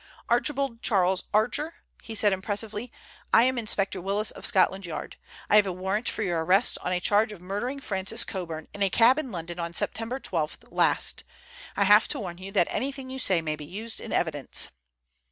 "Archibald Charles Archer," he said impressively, "I am Inspector Willis of Scotland Yard. I have a warrant for your arrest on a charge of murdering Francis Coburn in a cab in London on September 12 last. I have to warn you that anything you say may be used in evidence."